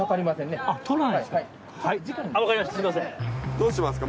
どうしますか。